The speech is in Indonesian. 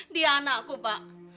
dia anakku pak